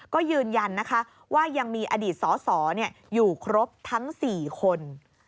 ก็ยืนยันนะคะว่ายังมีอดีตสออยู่ครบทั้ง๔คน